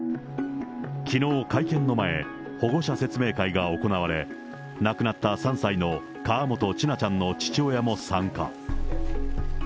きのう会見の前、保護者説明会が行われ、亡くなった３歳の河本千奈ちゃんの父親も参加。